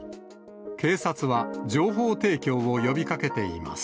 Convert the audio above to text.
警察は情報提供を呼びかけています。